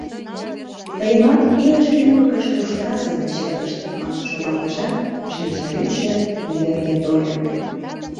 Тыйымат илыш рӱмбыкыш куштыра семын чыкышт, — манын шоналтышат, шинчавӱдшӧ йырге тольо...